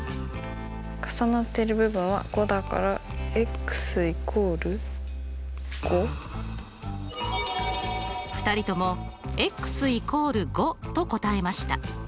重なっている部分は５だから２人とも＝５と答えました。